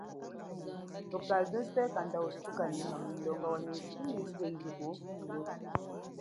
Tuka lutwe, kanda utuka nyima, mumu wanyingine yize ili kulutwe.